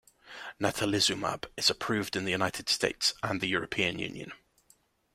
Natalizumab is approved in the United States and the European Union.